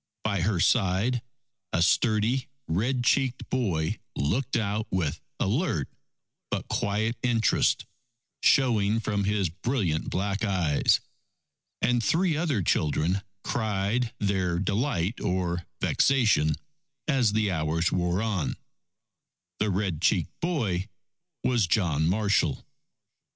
By her side a sturdy red cheeked boy looked out with alert but quiet interest showing from his brilliant black eyes. And three other children cried their delight or vexation as the hours wore on. The red cheeked boy was John Marshall.